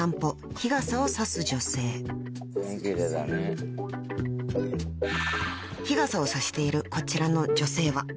［日傘を差しているこちらの女性は］